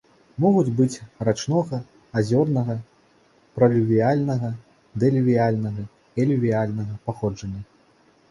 Могуць быць рачнога, азёрнага, пралювіяльнага, дэлювіяльнага, элювіяльнага паходжання.